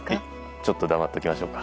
ちょっと黙っておきましょうか。